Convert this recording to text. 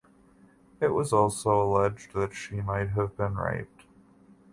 It was also alleged that she might have been raped.